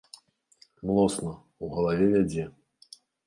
Млосна, у галаве вядзе.